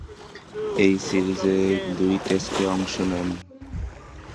ঐ সিরিজে দুই টেস্টে অংশে নেন।